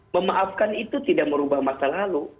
memaafkan itu tidak merubah masa lalu